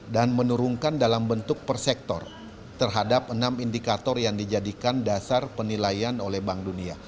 dan menurunkan dalam bentuk persektor terhadap enam indikator yang dijadikan dasar penilaian oleh bank dunia